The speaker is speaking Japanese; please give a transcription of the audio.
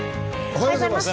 おはようございます。